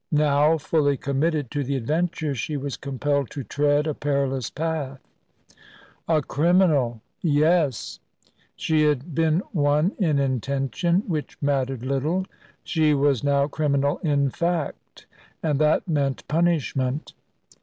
Now, fully committed to the adventure, she was compelled to tread a perilous path. A criminal! Yes: she had been one in intention, which mattered little; she was now criminal in fact, and that meant punishment.